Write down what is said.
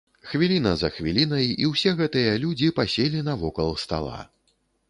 Хвіліна за хвілінай, і ўсе гэтыя людзі паселі навокал стала.